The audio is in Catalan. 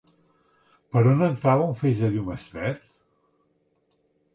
Per on entrava un feix de llum estret?